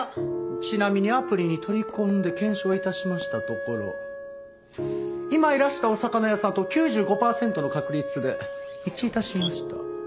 ちなみにアプリに取り込んで検証致しましたところ今いらしたお魚屋さんと９５パーセントの確率で一致致しました。